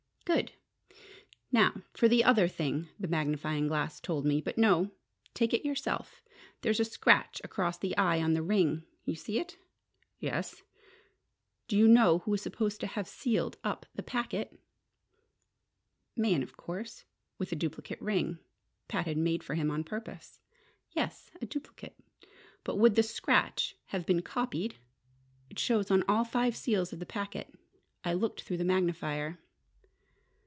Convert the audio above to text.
"Good! Now for the other thing the magnifying glass told me. But no take it yourself. There's a scratch across the eye on the ring. You see it?" "Yes." "Do you know who was supposed to have sealed up the packet?" "Mayen, of course: with a duplicate ring Pat had made for him on purpose." "Yes, a duplicate. But would the scratch have been copied? It shows on all five seals of the packet. I looked through the magnifier."